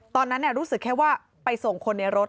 ตอนนั้นรู้สึกแค่ว่าไปส่งคนในรถ